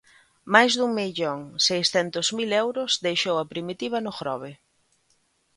Máis dun millón seiscentos mil euros deixou a Primitiva no Grove.